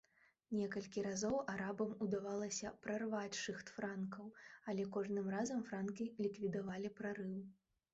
Некалькі разоў арабам удавалася прарваць шыхт франкаў, але кожным разам франкі ліквідавалі прарыў.